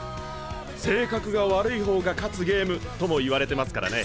性格が悪い方が勝つゲームとも言われてますからね。